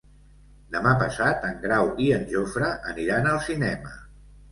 Demà passat en Grau i en Jofre aniran al cinema.